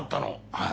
はい。